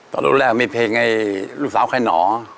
ตอนรุ่นแรกมีเพลงลูกสาวใครหน่อ